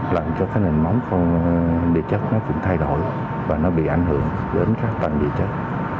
làm cho nền mắm của địa chất cũng thay đổi và bị ảnh hưởng đến các tầng địa chất